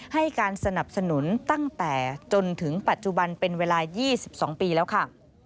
ให้การสนับสนุนตั้งแต่จนถึงปัจจุบันเป็นเวลา๒๒ปีแล้วค่ะ